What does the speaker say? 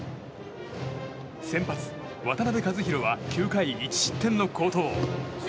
先発、渡辺和大は９回１失点の好投。